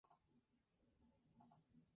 De tres y cuatro estrellas.